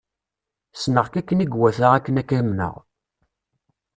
Ssneɣ-k akken i iwata akken ad k-amneɣ.